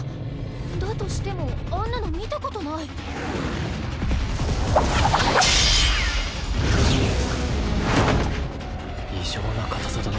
だとしてもあんなの見たことない異常な硬さだな